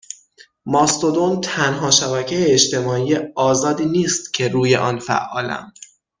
ماستودون تنها شبکه اجتمای آزادی نیست که روی آن فعالم